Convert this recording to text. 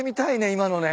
今のね。